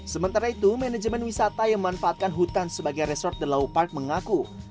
sementara itu manajemen wisata yang memanfaatkan hutan sebagai resort the law park mengaku